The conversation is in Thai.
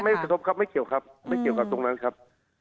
ไม่สลบครับไม่เกี่ยวกับตรงนั้นครับ